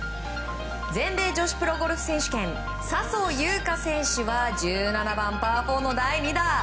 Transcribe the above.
全米女子プロゴルフ選手権笹生優花選手は１７番、パー４の第２打。